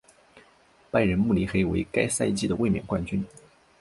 拜仁慕尼黑为该赛季的卫冕冠军。